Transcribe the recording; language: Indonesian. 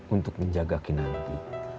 untuk menjaga kinanti